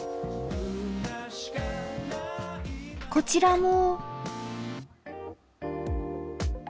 こちらも。